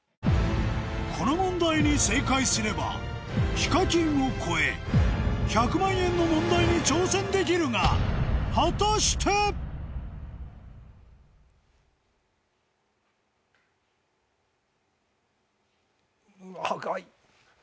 この問題に正解すればＨＩＫＡＫＩＮを超え１００万円の問題に挑戦できるが果たして⁉長い。